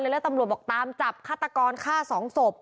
แล้วตำรวจบอกตามจับฆาตกรฆ่าสองศพ